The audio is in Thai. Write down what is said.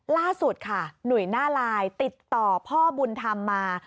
ล่าสุดค่ะหนุ่ยหน้าลายติดต่อพ่อบุญธรรมมา